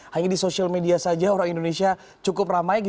hanya di sosial media saja orang indonesia cukup ramai